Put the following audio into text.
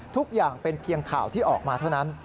ทุกอย่างเป็นเพียงข่าวที่ออกมาเท่านั้น